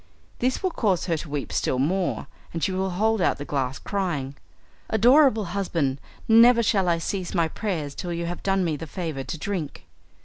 This will cause her to weep still more, and she will hold out the glass crying, "Adorable husband, never shall I cease my prayers till you have done me the favour to drink."